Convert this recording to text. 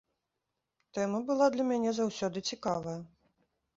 Тэма была для мяне заўсёды цікавая.